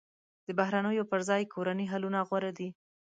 د بهرنیو پر ځای کورني حلونه غوره دي.